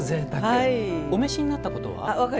お召しになったことは？